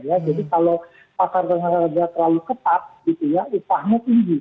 jadi kalau pakar dengan raja terlalu ketat itu ya upahnya tinggi